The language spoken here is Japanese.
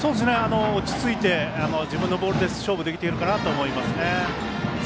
落ちついて自分のボールで勝負できているかなと思いますね。